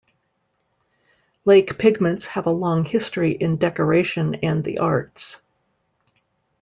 Lake pigments have a long history in decoration and the arts.